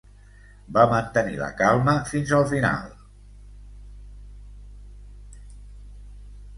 Va mantenir la calma fins al final.